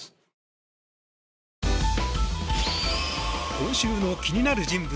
今週の気になる人物